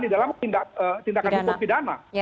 di dalam tindakan hukum pidana